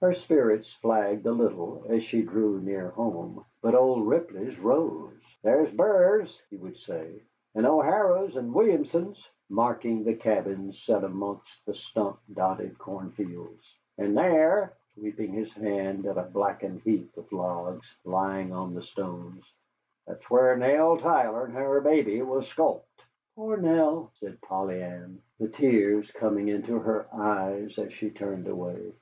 Her spirits flagged a little as she drew near home, but old Mr. Ripley's rose. "There's Burr's," he would say, "and O'Hara's and Williamson's," marking the cabins set amongst the stump dotted corn fields. "And thar," sweeping his hand at a blackened heap of logs lying on the stones, "thar's whar Nell Tyler and her baby was sculped." "Poor Nell," said Polly Ann, the tears coming into her eyes as she turned away.